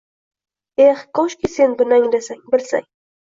Eh koshki sen buni anglasang, bilsang…